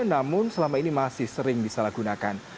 namun selama ini masih sering disalahgunakan